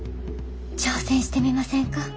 挑戦してみませんか？